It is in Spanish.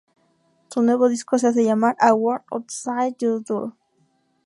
Su nuevo disco se hace llamar "A world outside your door".